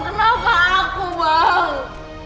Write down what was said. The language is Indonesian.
kenapa aku bang